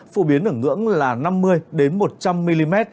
phổ biến ở ngưỡng là năm mươi một trăm linh mm